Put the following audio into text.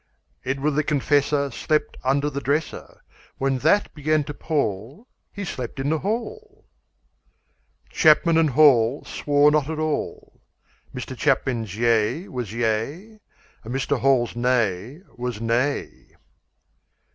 Edward the Confessor Slept under the dresser. When that began to pall, He slept in the hall. Chapman & Hall Swore not at all. Mr Chapman's yea was yea, And Mr Hall's nay was nay.